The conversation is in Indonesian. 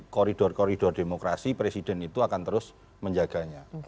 koridor koridor demokrasi presiden itu akan terus menjaganya